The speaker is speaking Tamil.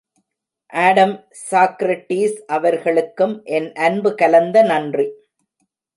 ஆடம் சாக்ரட்டீஸ் அவர்களுக்கும் என் அன்பு கலந்த நன்றி.